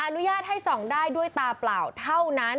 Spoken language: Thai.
อนุญาตให้ส่องได้ด้วยตาเปล่าเท่านั้น